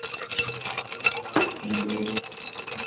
He now realizes that it was Daniel had killed Maggie, not Mendes.